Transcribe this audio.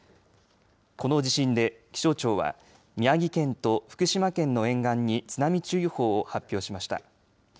この地震で気象庁は宮城県と福島県の沿岸に津波注意報を発表しました。